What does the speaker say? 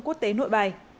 quốc tế nội bài